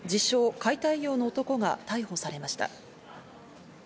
・解体業の男が逮捕されました。